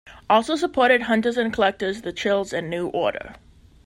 Also supported Hunters and Collectors, The Chills and New Order.